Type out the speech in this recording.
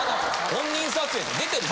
本人撮影って出てるし。